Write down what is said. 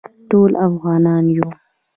ټول افغانان یو